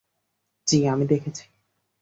জি, আমি দেখেছি।